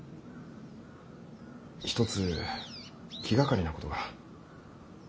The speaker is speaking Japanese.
一つ気がかりなことが。